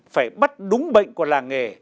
phải bắt đúng bệnh của làng nghề